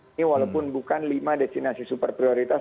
ini walaupun bukan lima destinasi super prioritas